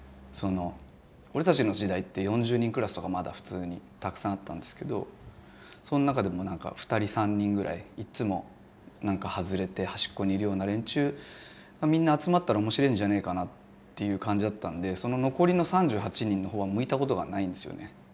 俺たちの時代って４０人クラスとかまだ普通にたくさんあったんですけどその中でもなんか２人３人ぐらいいっつもなんか外れて端っこにいるような連中がみんな集まったら面白えんじゃねえかなっていう感じだったんでその残りの３８人のほうは向いたことがないんですよね。